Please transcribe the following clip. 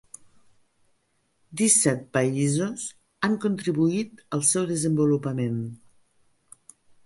Disset països han contribuït al seu desenvolupament.